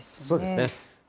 そうですね。